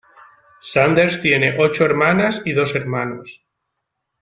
Sanders tiene ocho hermanas y dos hermanos.